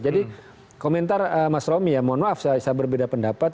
jadi komentar mas romli mohon maaf saya berbeda pendapat